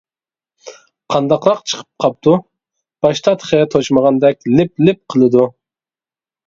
قانداقراق چىقىپ قاپتۇ؟ باشتا تېخى توشمىغاندەك لىپ لىپ قىلىدۇ.